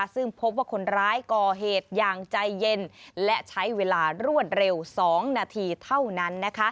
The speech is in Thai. ซึ่งพบว่าคนร้ายก่อเหตุอย่างใจเย็นและใช้เวลารวดเร็ว๒นาทีเท่านั้น